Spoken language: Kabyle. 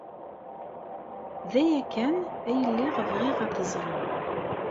D aya kan ay lliɣ bɣiɣ ad t-ẓreɣ.